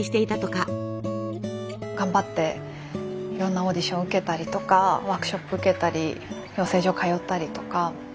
頑張っていろんなオーディションを受けたりとかワークショップ受けたり養成所通ったりとか。